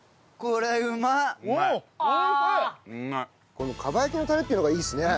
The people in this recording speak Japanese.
この蒲焼きのタレっていうのがいいですね。